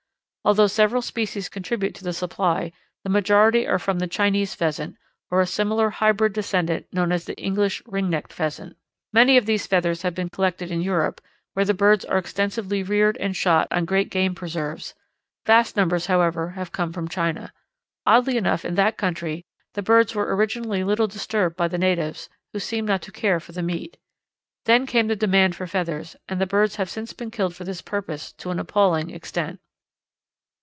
Although several species contribute to the supply, the majority are from the Chinese Pheasant, or a similar hybrid descendent known as the English Ring necked Pheasant. Many of these feathers have been collected in Europe, where the birds are extensively reared and shot on great game preserves; vast numbers, however, have come from China. Oddly enough in that country the birds were originally little disturbed by the natives, who seem not to care for meat. Then came the demand for feathers, and the birds have since been killed for this purpose to an appalling extent.